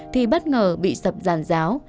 thì bất ngờ bị sập giàn giáo